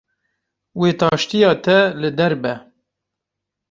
Wê taştiya te li der be